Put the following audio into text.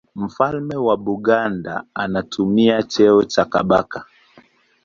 Mfalme wa Buganda anatumia cheo cha Kabaka.